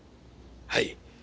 はい。